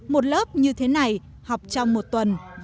một lớp như thế này học trong một tuần